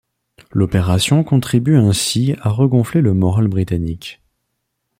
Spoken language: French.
L'opération contribue ainsi à regonfler le moral britannique.